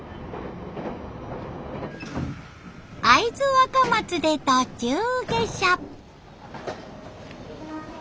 会津若松で途中下車。